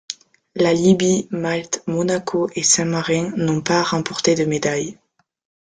La Libye, Malte, Monaco et Saint-Marin n'ont pas remporté de médailles.